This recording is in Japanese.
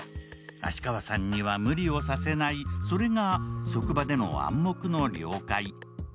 芦川さんには無理をさせない、それが職場での暗黙の了解。